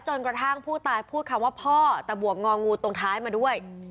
จนกระทั่งผู้ตายพูดคำว่าพ่อตะบวกงองูตรงท้ายมาด้วย